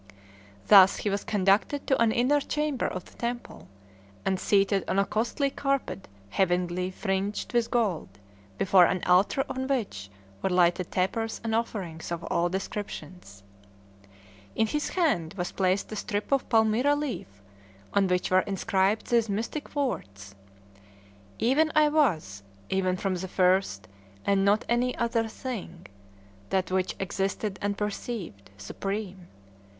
Thus he was conducted to an inner chamber of the temple, and seated on a costly carpet heavily fringed with gold, before an altar on which were lighted tapers and offerings of all descriptions. In his hand was placed a strip of palmyra leaf, on which were inscribed these mystic words: "Even I was, even from the first, and not any other thing: that which existed unperceived, supreme.